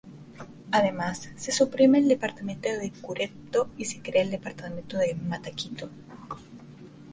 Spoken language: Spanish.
Además, se suprime el Departamento de Curepto y se crea el Departamento de Mataquito.